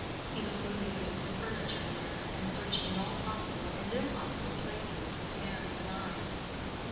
He was moving the bits of furniture near, and searching in all possible and impossible places with hand and eyes.